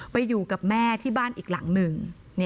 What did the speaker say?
ไปอยู่กับแม่ที่บ้านอีกหลังหนึ่ง